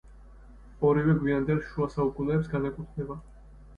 ორივე გვიანდელ შუა საუკუნეებს განეკუთვნება.